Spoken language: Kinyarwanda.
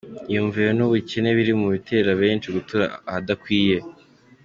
Imyumvire n’ubukene biri mu bitera benshi gutura ahadakwiye